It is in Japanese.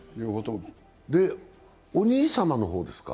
お兄様の方ですか？